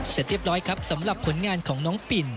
เสร็จเรียบร้อยครับสำหรับผลงานของน้องปิ่น